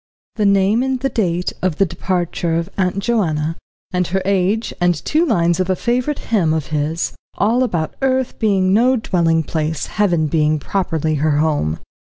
The name and the date of departure of Aunt Joanna, and her age, and two lines of a favourite hymn of his, all about earth being no dwelling place, heaven being properly her home.